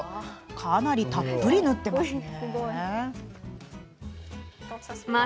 かなりたっぷり塗っていますね。